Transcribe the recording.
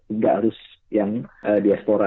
tidak harus yang diaspora